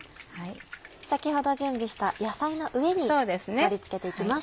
先ほど準備した野菜の上に盛り付けて行きます。